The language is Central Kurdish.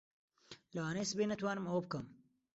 لەوانەیە سبەی نەتوانم ئەوە بکەم.